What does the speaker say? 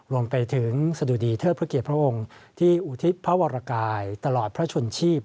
รวมไปถึงสะดุดีเทิดพระเกียรติพระองค์ที่อุทิศพระวรกายตลอดพระชนชีพ